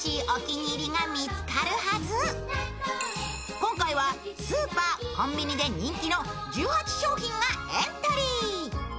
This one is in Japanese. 今回はスーパー・コンビニで人気の１８商品がエントリー。